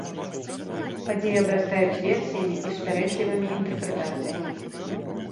Падзеі абрастаюць версіямі і супярэчлівымі інтэрпрэтацыямі.